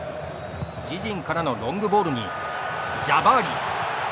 自陣からのロングボールにジャバーリ。